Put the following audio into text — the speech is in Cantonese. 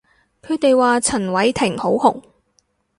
佢哋話陳偉霆好紅